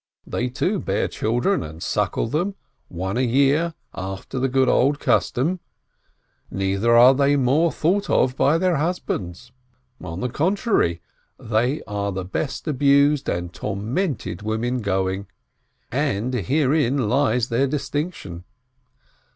They, too, bear children and suckle them, one a year, after the good old custom; neither are they more thought of by their husbands. On the contrary, they are the best abused and tormented women going, and herein lies their distinction.